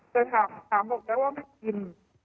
ค่ะแต่ถามบอกได้ว่าไม่กิน